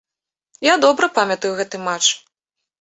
Я добра памятаю гэты матч.